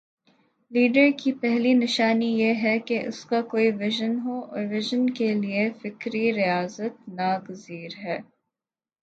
Leader کی پہلی نشانی یہ ہے کہ اس کا کوئی وژن ہو وژن کے لیے فکری ریاضت ناگزیر ہے۔